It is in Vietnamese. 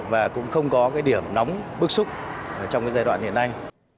và cũng không có cái điểm nóng bức xúc trong giai đoạn hiện nay